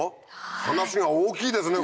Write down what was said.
話が大きいですね